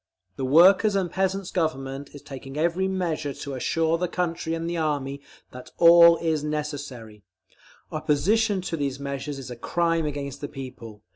The Workers' and Peasants' Government is taking every measure to assure the country and the Army all that is necessary. Opposition to these measures is a crime against the People.